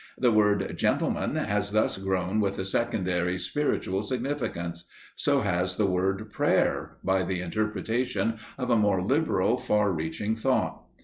The word "gentleman" has thus grown with a secondary, spiritual significance; so has the word "prayer" by the interpretation of a more liberal, far reaching thought.